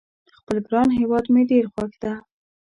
خپل ګران هیواد مې ډېر خوښ ده